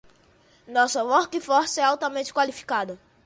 Nossa workforce é altamente qualificada.